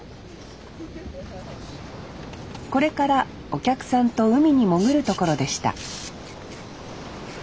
これからお客さんと海に潜るところでした